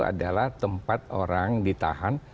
adalah tempat orang ditahan